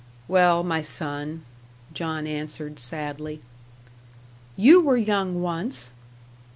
"Well, my son," John answered, sadly. "YOU were young once."